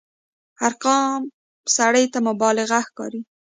ارقام سړي ته مبالغه ښکاري.